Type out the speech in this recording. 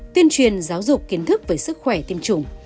tuyên truyền giáo dục kiến thức về sức khỏe tiêm chủng